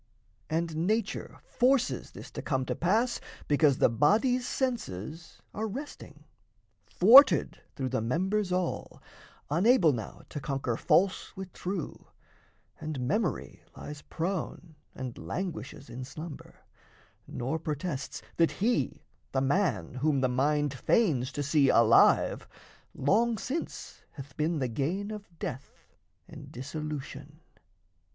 And nature forces this To come to pass because the body's senses Are resting, thwarted through the members all, Unable now to conquer false with true; And memory lies prone and languishes In slumber, nor protests that he, the man Whom the mind feigns to see alive, long since Hath been the gain of death and dissolution.